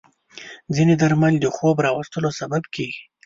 ځینې درمل د خوب راوستلو سبب کېږي.